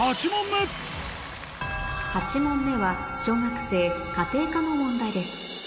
８問目は小学生家庭科の問題です